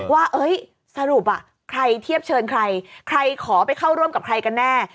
ว่าสรุปใครเทียบเชิญใครใครขอไปเข้าร่วมกับใครกันแน่